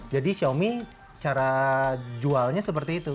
jadi xiaomi cara jualnya seperti itu